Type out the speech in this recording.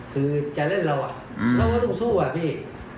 คือจะเล่นเราเขาก็ต้องสู้อะพี่